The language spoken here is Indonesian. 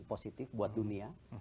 positif buat dunia